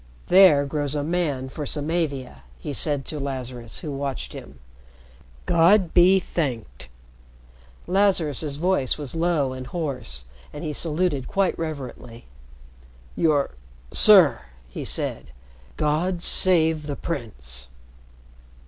"There grows a man for Samavia," he said to Lazarus, who watched him. "God be thanked!" Lazarus's voice was low and hoarse, and he saluted quite reverently. "Your sir!" he said. "God save the Prince!"